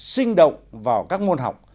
sinh động vào các môn học